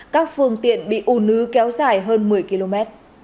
các phương tiện bị ùn ứ kéo dài hơn một mươi km